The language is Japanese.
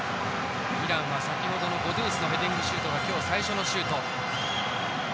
イランは先ほどのゴドゥースのヘディングシュートが今日最初のシュート。